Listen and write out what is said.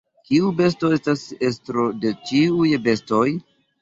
Kiu besto estas estro de ĉiuj bestoj?